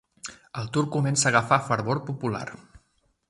El Tour comença a agafar fervor popular.